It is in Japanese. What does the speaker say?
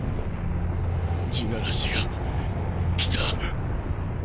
地鳴らしが来た！！